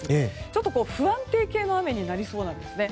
ちょっと不安定系の雨になりそうなんですね。